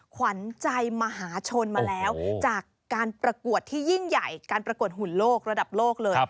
ขวัญใจมหาชนมาแล้วจากการประกวดที่ยิ่งใหญ่การประกวดหุ่นโลกระดับโลกเลย